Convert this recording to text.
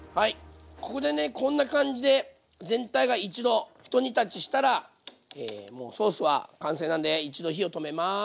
ここでねこんな感じで全体が一度ひと煮立ちしたらもうソースは完成なんで一度火を止めます。